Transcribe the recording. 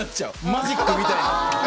マジックみたいに。